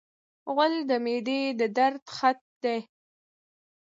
غول د معدې د درد خط دی.